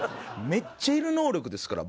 めっちゃいる能力ですから。